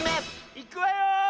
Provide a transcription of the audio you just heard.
いくわよ！